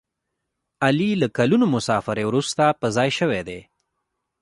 علي له کلونو مسافرۍ ورسته په ځای شوی دی.